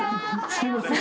すいません